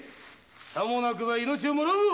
さもなくば命をもらうぞ！